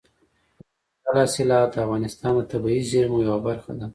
دځنګل حاصلات د افغانستان د طبیعي زیرمو یوه برخه ده.